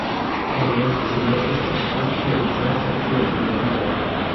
Tamen ĝi ne estas ofte uzata tiel hodiaŭ.